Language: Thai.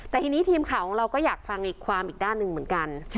แต่ทีนี้ทีมข่าวของเราก็อยากฟังอีกความอีกด้านหนึ่งเหมือนกัน